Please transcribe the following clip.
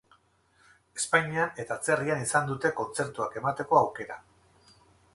Espainian eta atzerrian izan dute kontzertuak emateko aukera.